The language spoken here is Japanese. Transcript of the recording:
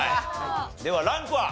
ではランクは？